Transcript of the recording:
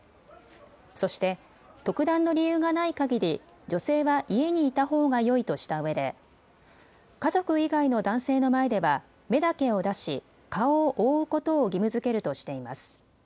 そして特段の理由がないかぎり女性は家にいたほうがよいとしたうえで家族以外の男性の前では目だけを出し顔を覆うことを義務づけるとしています。